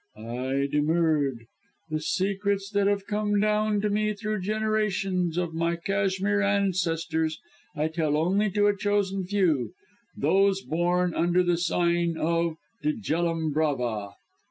I demurred. The secrets that have come down to me through generations of my Cashmere ancestors, I tell only to a chosen few those born under the sign of Dejellum Brava.